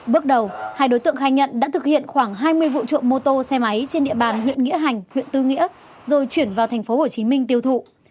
bước đầu hai đối tượng khai nhận đã thực hiện khoảng hai mươi vụ trộm mô tô xe máy trên địa bàn huyện nghĩa hành huyện tư nghĩa rồi chuyển vào tp hcm tiêu thụ